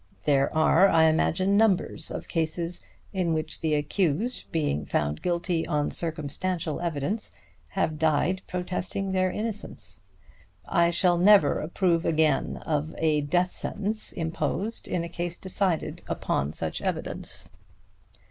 There are, I imagine, numbers of cases in which the accused, being found guilty on circumstantial evidence, have died protesting their innocence. I shall never approve again of a death sentence imposed in a case decided upon such evidence."